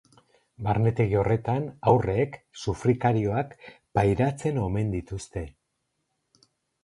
Barnetegi horretan haurrek sufrikarioak pairatzen omen dituzte.